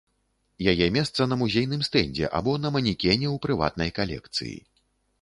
Яе месца на музейным стэндзе або на манекене ў прыватнай калекцыі.